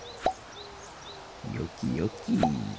よきよき。